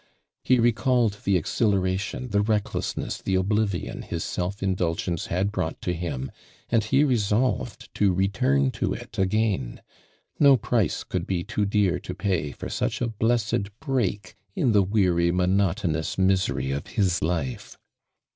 lie recalled the (exhilaration, the recklessness, the oblivion his self indulgence had brought to him, and h<i resolved to return to it again. No price could be too dear to pay for such a blessed Vireak in the weary, monotonous misery of his life